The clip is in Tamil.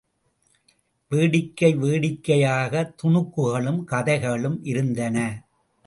வேடிக்கை வேடிக்கையாக துணுக்குகளும் கதைகளும் இருந்தன.